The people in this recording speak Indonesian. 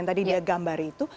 yang tadi dia gambari itu